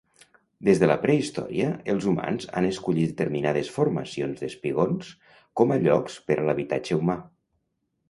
Des de la prehistòria, els humans han escollit determinades formacions d'espigons com a llocs per a l'habitatge humà.